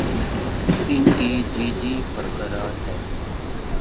ان کی ججی برقرار ہے۔